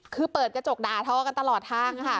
คือเปิดกระจกด่าทอกันตลอดทางค่ะ